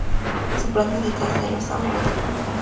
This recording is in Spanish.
Su planta, datada de los albores de la Reconquista.